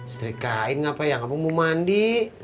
setrikain ngapain ya kamu mau mandi